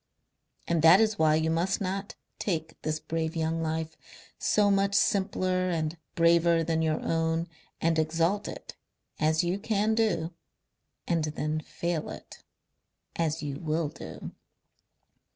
"And that is why you must not take this brave young life, so much simpler and braver than your own, and exalt it as you can do and then fail it, as you will do...."